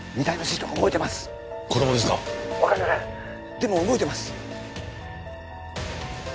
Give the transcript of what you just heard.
でも動いてます。